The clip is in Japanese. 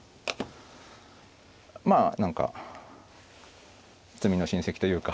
まあ何か詰みの親戚というか。